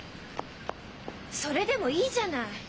それでもいいじゃない！